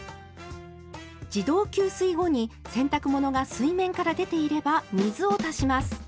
自動給水後に洗濯物が水面から出ていれば水を足します。